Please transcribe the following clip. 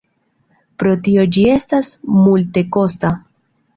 Pro tio ĝi estas multekosta.